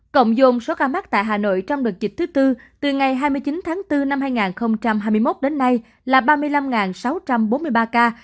cộng dồn số ca mắc tại hà nội trong đợt dịch thứ tư từ ngày hai mươi chín tháng bốn năm hai nghìn hai mươi một đến nay là ba mươi năm sáu trăm bốn mươi ba ca